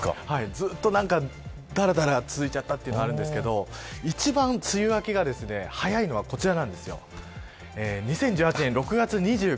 ずっとだらだら続いちゃったというのはあるんですけど一番梅雨明けが早いのはこちらです。